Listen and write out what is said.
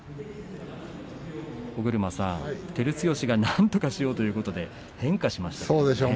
尾車さん、照強がなんとかしようということで変化しましたね。